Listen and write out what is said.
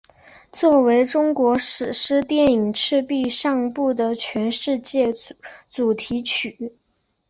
作为中国史诗电影赤壁上部的全世界主题曲。